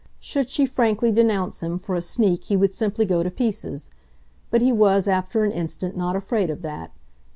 Should she frankly denounce him for a sneak he would simply go to pieces; but he was, after an instant, not afraid of that.